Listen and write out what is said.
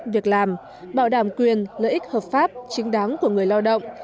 việc làm bảo đảm quyền lợi ích hợp pháp chính đáng của người lao động